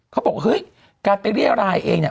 เขาบอกเฮ้ยการไปเรียรายเองเนี่ย